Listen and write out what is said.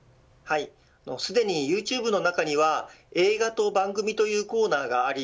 すでにユーチューブの中には映画と番組というコーナーがあり